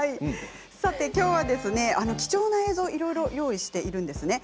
きょうは貴重な映像をいろいろ用意しているんです。